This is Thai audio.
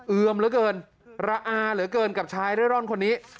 เอือมเหลือเกินระอาเหลือเกินกับชายเร่ร่อนคนนี้